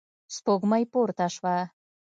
سپوږمۍ پورته شوه.